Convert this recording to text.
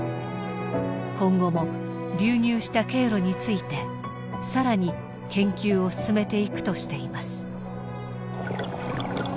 今後も流入した経路についてさらに研究を進めていくとしています。